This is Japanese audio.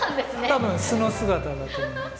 多分素の姿だと思います。